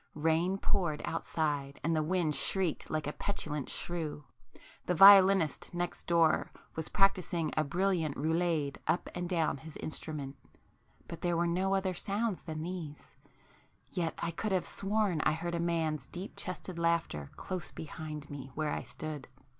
Rain poured outside, and the wind shrieked like a petulant shrew,—the violinist next door was practising a brilliant roulade up and down his instrument,—but there were no other sounds than these. Yet I could have sworn I heard a man's deep chested laughter close behind me where I stood.